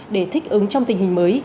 để thích ứng trong tình hình mới